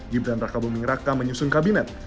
gibran raka buming raka menyusun kabinet